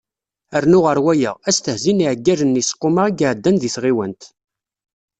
Rnu ɣer waya, asetehzi n yiεeggalen n yiseqquma i iεeddan deg tɣiwant.